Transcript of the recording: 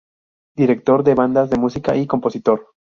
Director de bandas de música y compositor.